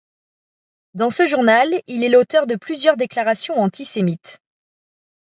Dans ce journal, il est l'auteur de plusieurs déclarations antisémites.